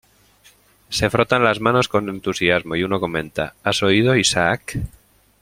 Se frotan las manos con entusiasmo, y uno comenta: "¿Has oído, Isaac?